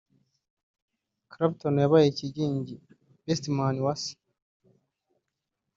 Clapton yabaye kigingi (Bestman) wa se